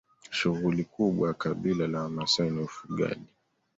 shughuli kubwa ya kabila la wamasai ni ufugaji